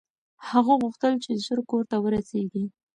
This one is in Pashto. هغه غوښتل چې ژر کور ته ورسېږي.